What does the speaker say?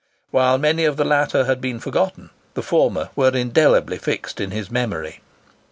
Whilst many of the latter had been forgotten, the former were indelibly fixed in his memory.